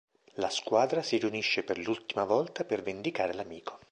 La squadra si riunisce per l'ultima volta per vendicare l'amico.